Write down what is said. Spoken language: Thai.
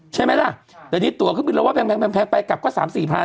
ใช่ไหมล่ะแต่อันนี้ตั๋วขึ้นบินแล้วว่าแพงไปกลับก็๓๔พัน